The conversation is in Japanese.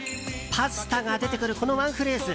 パスタが出てくるこのワンフレーズ。